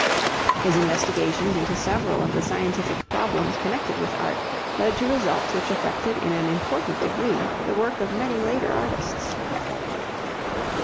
His investigations into several of the scientific problems connected with art led to results which affected in an important degree the work of many later artists.